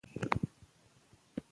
وخت د سمې پریکړې غوښتنه کوي